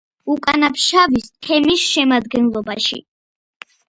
უკანაფშავის თემის შემადგენლობაში.